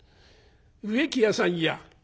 「植木屋さんや。